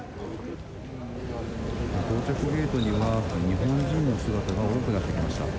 到着ゲートには日本人の姿が多くなってきました。